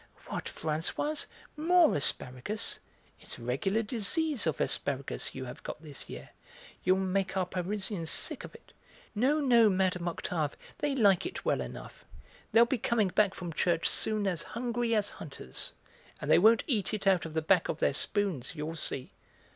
"What, Françoise, more asparagus! It's a regular disease of asparagus you have got this year: you will make our Parisians sick of it." "No, no, Madame Octave, they like it well enough. They'll be coming back from church soon as hungry as hunters, and they won't eat it out of the back of their spoons, you'll see."